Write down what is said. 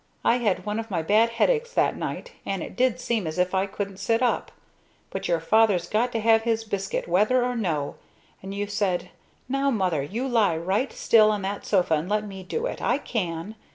I had one of my bad headaches that night and it did seem as if I couldn't sit up! But your Father's got to have his biscuit whether or no. And you said, 'Now Mother you lie right still on that sofa and let me do it! I can!'